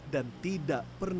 dan menangkap korban